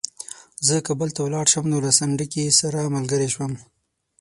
زه کابل ته ولاړ شم نو له سنډکي سره ملګری شوم.